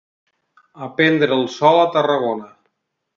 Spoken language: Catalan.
A prendre el sol, a Tarragona.